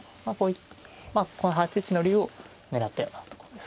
まあこの８一の竜を狙ったようなところですかね。